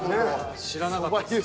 知らなかったです。